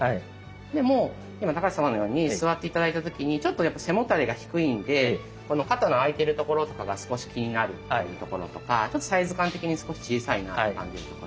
でも今高橋様のように座って頂いた時にちょっとやっぱ背もたれが低いんでこの肩の空いてるところとかが少し気になるというところとかちょっとサイズ感的に少し小さいなって感じるとか。